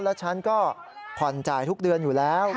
แล้วฉันก็ผ่อนจ่ายทุกเดือนอยู่แล้ว